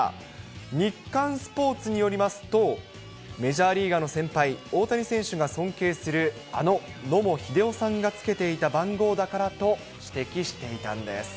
日刊スポーツによりますと、メジャーリーガーの先輩、大谷選手が尊敬するあの野茂英雄さんがつけていた番号だからと指摘していました。